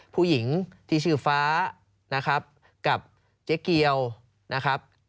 ผู้หญิงที่ชื่อฟ้านะครับกับเจ๊เกียวนะครับ